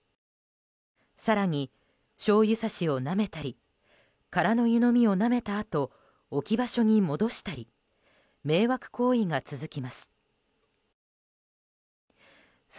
更に、しょうゆさしをなめたり空の湯飲みをなめたあと置き場所に戻したり迷惑行為が続きます。